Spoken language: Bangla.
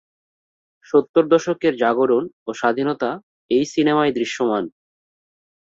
সত্তর দশকের জাগরণ ও স্বাধীনতা এই সিনেমায় দৃশ্যমান।